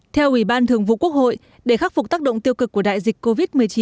theo ủy ban thường vụ quốc hội để khắc phục tác động tiêu cực của đại dịch covid một mươi chín